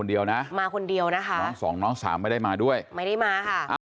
นี่เป็นบรรยากาศสดที่ท่าอากาศสยานสุวรรณภูมิครับ